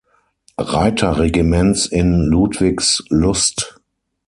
Reiter-Regiments in Ludwigslust.